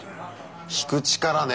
引く力ね。